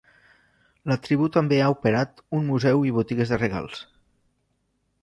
La tribu també ha operat un museu i botigues de regals.